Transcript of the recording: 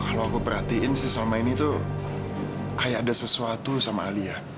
kalau aku perhatiin sih selama ini tuh kayak ada sesuatu sama alia